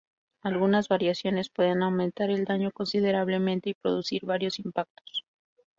Algunas variaciones pueden aumentar el daño considerablemente y producir varios impactos.